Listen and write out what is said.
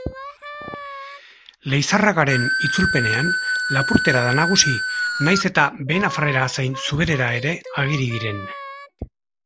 Leizarragaren itzulpenean lapurtera da nagusi, nahiz eta behe nafarrera zein zuberera ere ageri diren.